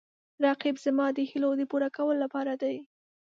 رقیب زما د هیلو د پوره کولو لپاره دی